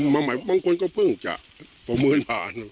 บางคนก็เพิ่งจะประเมินผ่าน